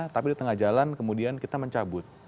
tapi di tengah jalan kemudian kita mencabut